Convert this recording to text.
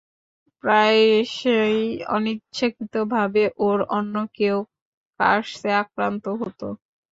প্রায়শই অনিচ্ছাকৃতভাবে ওর অন্য কেউ কার্সে আক্রান্ত হতো।